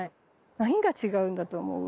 何が違うんだと思う？